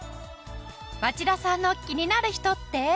町田さんの気になる人って？